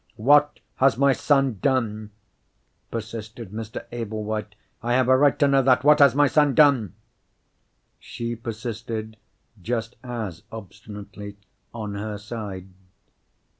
"What has my son done?" persisted Mr. Ablewhite. "I have a right to know that. What has my son done?" She persisted just as obstinately on her side.